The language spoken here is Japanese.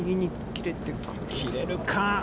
切れるか。